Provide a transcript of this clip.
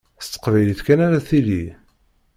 S teqbaylit kan ara tili.